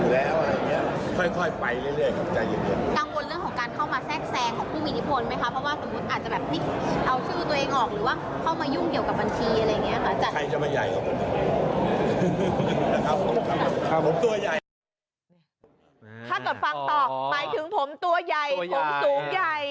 ถ้าเกิดฟังต่อหมายถึงผมตัวใหญ่ผมสูงใหญ่